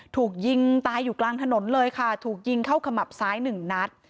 ถูกยิงตายอยู่กลางถนนเลยค่ะถูกยิงเข้าขมับซ้ายหนึ่งนัด